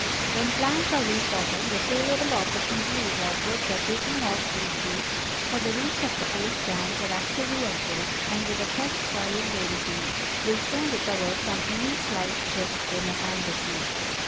When plants are re potted a favorable opportunity is offered for taking off these roots, for the roots of the old plants are actively at work and, with the fresh soil they receive, will soon recover from any slight check they may have received.